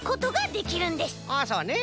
あっそうね